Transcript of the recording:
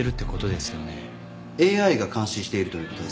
ＡＩが監視しているということです。